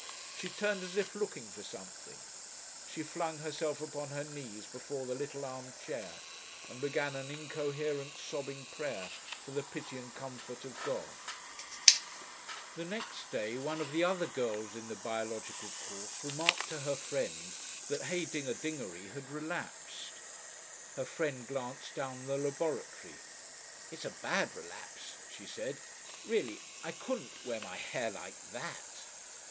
She turned as if looking for something. She flung herself upon her knees before the little arm chair, and began an incoherent sobbing prayer for the pity and comfort of God. The next day one of the other girls in the biological course remarked to her friend that "Heydinger dingery" had relapsed. Her friend glanced down the laboratory. "It's a bad relapse," she said. "Really ... I couldn't ... wear my hair like that."